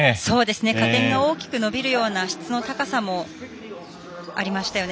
加点が大きく伸びるような質の高さもありましたよね。